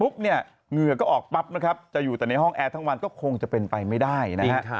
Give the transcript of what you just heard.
เนี่ยเหงื่อก็ออกปั๊บนะครับจะอยู่แต่ในห้องแอร์ทั้งวันก็คงจะเป็นไปไม่ได้นะฮะ